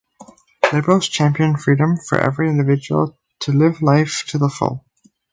Liberals champion freedom for every individual to live their life to the full.